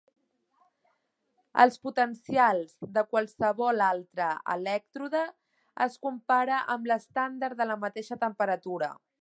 Els potencials de qualsevol altre elèctrode es compara amb l'estàndard a la mateixa temperatura.